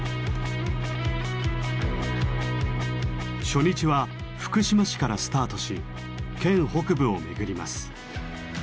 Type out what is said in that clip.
初日は福島市からスタートし県北部を巡ります。